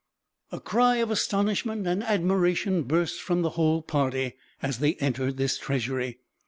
A cry of astonishment and admiration burst from the whole party, as they entered this treasury.